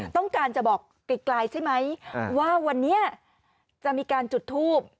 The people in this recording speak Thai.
ต้องการจะบอกไกลใช่ไหมว่าวันนี้จะมีการจุดทูบ